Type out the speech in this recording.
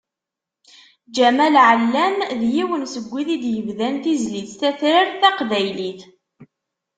Ǧamal Ɛellam d yiwen seg wid i d-yebdan tizlit tatrart taqbaylit.